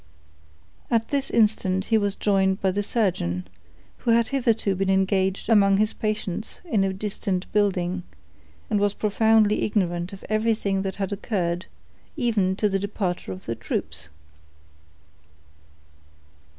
At this instant he was joined by the surgeon, who had hitherto been engaged among his patients in a distant building, and was profoundly ignorant of everything that had occurred, even to the departure of the troops.